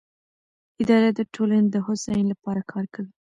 اداره د ټولنې د هوساینې لپاره کار کوي.